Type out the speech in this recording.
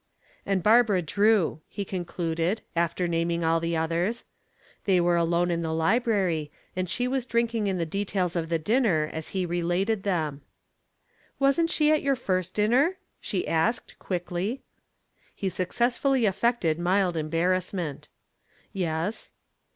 "And Barbara Drew," he concluded, after naming all the others. They were alone in the library, and she was drinking in the details of the dinner as he related them. "Wasn't she at your first dinner?" she asked, quickly. He successfully affected mild embarrassment. "Yes."